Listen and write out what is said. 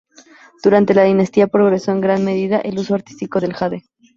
Durante la dinastía progresó en gran medida el uso artístico del jade.